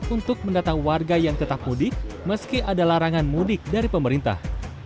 untuk mendatang warga yang tetap mudik meski ada larangan mudik dari pemerintah